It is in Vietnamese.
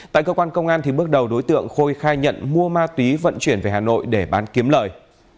tại cơ quan công an bước đầu đối tượng khôi khai nhận mua ma túy vận chuyển về hà nội để bán kiếm lời